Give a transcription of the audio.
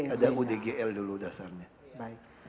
ada udgl dulu sudah saya pikirkan